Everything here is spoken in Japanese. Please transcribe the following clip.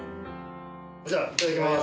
じゃあいただきます。